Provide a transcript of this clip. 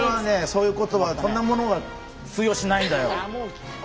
そういうことはそんなものは通用しないんだよ。